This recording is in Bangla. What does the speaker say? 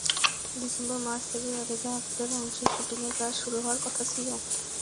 ডিসেম্বর মাস থেকে রাধিকা আপ্তের অংশের শুটিংয়ের কাজ শুরু হওয়ার কথা ছিল।